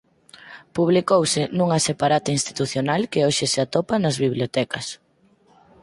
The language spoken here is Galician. Publicouse nunha separata institucional que hoxe se atopa nas bibliotecas.